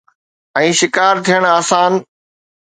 ۽ شڪار ٿيڻ آسان.